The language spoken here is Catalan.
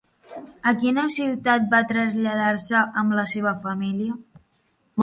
A quina ciutat va traslladar-se amb la seva família?